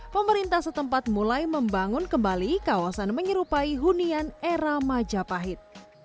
pemerintah setempat mulai membangun kembali kawasan menyerupai hunian era majapahit